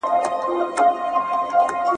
فقیران په ټولنه کي لاسنیوي ته اړتیا لري.